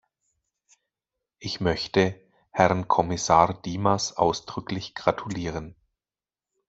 Ich möchte Herrn Kommissar Dimas ausdrücklich gratulieren.